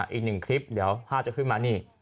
อีกหนึ่งคลิปเดี๋ยวภาพจะขึ้นมานี่